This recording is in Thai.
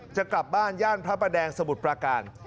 จะกลับบ้านย่านพระประแดงสมุทรประการ